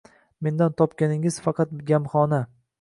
Mendan topganingiz faqat gamhona